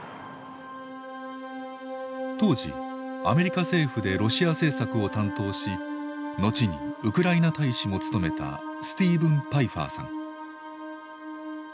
当時アメリカ政府でロシア政策を担当し後にウクライナ大使も務めたスティーブン・パイファーさん。